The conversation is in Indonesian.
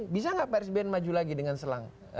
bisa nggak pak sbn maju lagi dengan selang